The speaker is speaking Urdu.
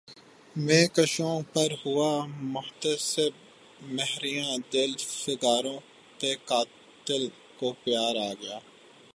مے کشوں پر ہوا محتسب مہرباں دل فگاروں پہ قاتل کو پیار آ گیا